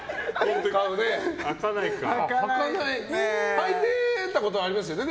はいてたことはありますよね？